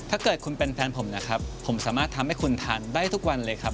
ถ้าเกิดคุณเป็นแฟนผมนะครับผมสามารถทำให้คุณทานได้ทุกวันเลยครับ